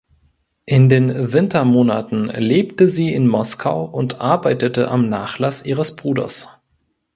In den Wintermonaten lebte sie in Moskau und arbeitete am Nachlass ihres Bruders.